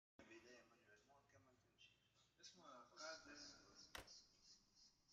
À l'origine du projet, la fréquentation moyenne prévue était de utilisations par jour.